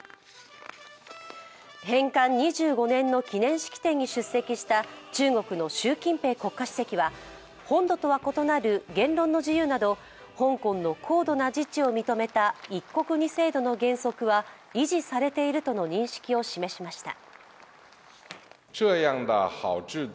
返還２５年の記念式典に出席した中国の習近平国家主席は本土とは異なる言論の自由など香港の高度な自治を認めた一国二制度の原則は維持されているとの認識を示しました。